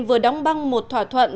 vừa đóng băng một thỏa thuận